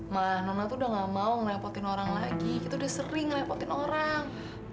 ma nona tuh udah gak mau ngelepotin orang lagi kita udah sering ngelepotin orang